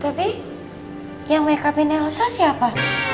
tapi yang makeup in elsa siapa